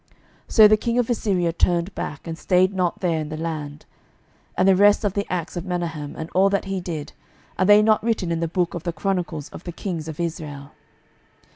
So the king of Assyria turned back, and stayed not there in the land. 12:015:021 And the rest of the acts of Menahem, and all that he did, are they not written in the book of the chronicles of the kings of Israel?